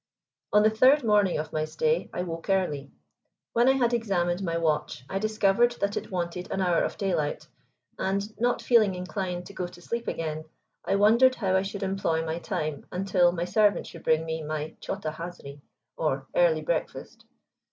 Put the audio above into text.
On the third morning of my stay I woke early. When I had examined my watch I discovered that it wanted an hour of daylight, and, not feeling inclined to go to sleep again, I wondered how I should employ my time until my servant should bring me my chota hazri, or early breakfast.